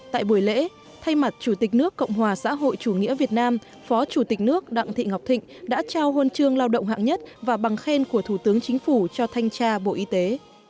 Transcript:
tại buổi lễ thay mặt chủ tịch nước cộng hòa xã hội chủ nghĩa việt nam phó chủ tịch nước đặng thị ngọc thịnh đã trao huân chương lao động hạng nhất và bằng khen của thủ tướng chính phủ cho thanh tra bộ y tế